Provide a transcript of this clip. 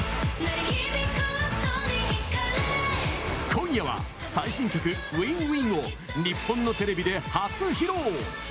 今夜は、最新曲「ＷｉｎｇＷｉｎｇ」を日本のテレビで初披露。